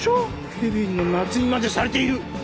ケビンの捺印までされている！